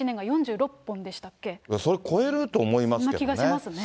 それ、超えると思いますけどそんな気がしますね。